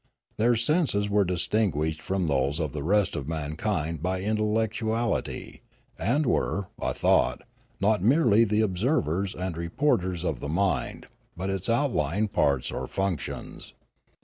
Their senses were distinguished from those of the rest of mankind by intellectuality, and were, I thought, not merely the observers and reporters of the mind, but its outlying parts or functions.